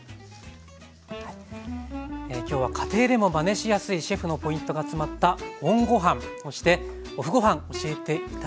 今日は家庭でもまねしやすいシェフのポイントが詰まったＯＮごはんそしてＯＦＦごはん教えて頂きました。